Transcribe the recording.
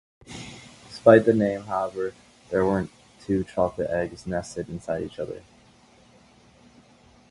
Despite the name, however, there weren't two chocolate eggs nested inside each other.